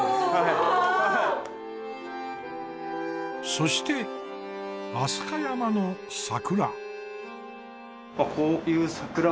そして飛鳥山の桜。